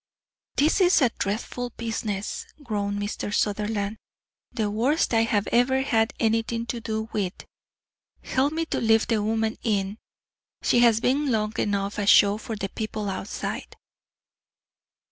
"This is a dreadful business," groaned Mr. Sutherland, "the worst I have ever had anything to do with. Help me to lift the woman in; she has been long enough a show for the people outside."